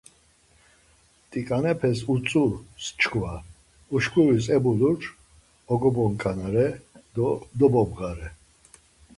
Tiǩanepes utzu çkva, Uşkuris ebulur, oxobonǩanare do dobobğare.